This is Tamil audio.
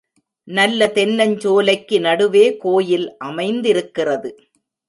நல்ல தென்னஞ்சோலைக்கு நடுவே கோயில் அமைந்திருக்கிறது.